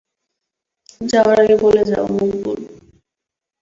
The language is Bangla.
যাওয়ার আগে বলে যাও, মকবুল!